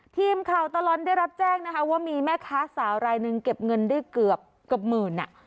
ทีมข่าวตลอดได้รับแจ้งนะคะว่ามีแม่ค้าสาวรายหนึ่งเก็บเงินได้เกือบเกือบหมื่นอ่ะ